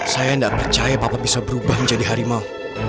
saya tidak percaya bapak bisa berubah menjadi harimau